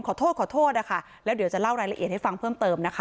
ขอโทษขอโทษนะคะแล้วเดี๋ยวจะเล่ารายละเอียดให้ฟังเพิ่มเติมนะคะ